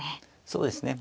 そうですね